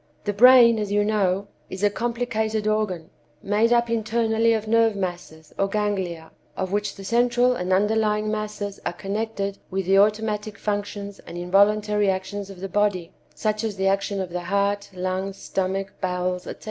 The brain, as you know, is a complicated organ, made up internally of nerve masses, or ganglia, of which the central and underlying masses are connected with the automatic functions and involuntary actions of the body (such as the action of the heart, lungs, stomach, bowels, etc.)